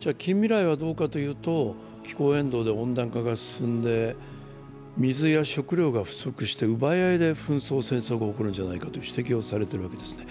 じゃあ、近未来はどうかというと、気候変動で温暖化が進んで水や食料が不足して、奪い合いで紛争・戦争が起こるんじゃないかと指摘をされてるわけですね。